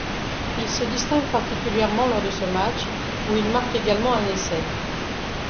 Il se distingue particulièrement lors de ce match, où il marque également un essai.